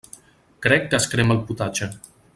Crec que es crema el potatge.